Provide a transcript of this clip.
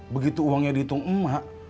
begitu uangnya maka dia akan pergi lagi